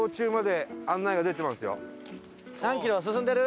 何キロ？進んでる？